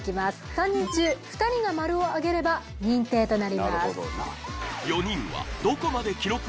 ３人中２人がマルをあげれば認定となります